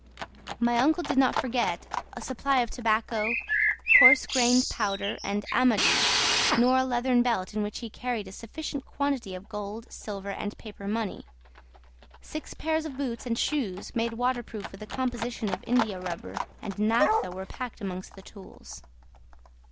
My uncle did not forget a supply of tobacco, coarse grained powder, and amadou, nor a leathern belt in which he carried a sufficient quantity of gold, silver, and paper money. Six pairs of boots and shoes, made waterproof with a composition of indiarubber and naphtha, were packed amongst the tools.